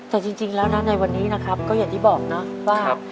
แต่จริงแล้วนะในวันนี้นะครับก็อย่างที่บอกนะว่า